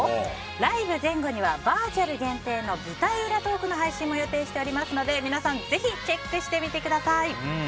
ライブ前後にはバーチャル限定の舞台裏トークの配信も予定していますので、皆さんぜひチェックしてみてください。